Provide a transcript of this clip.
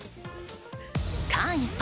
間一髪！